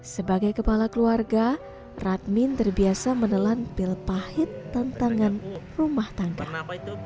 sebagai kepala keluarga radmin terbiasa menelan pil pahit tantangan rumah tangga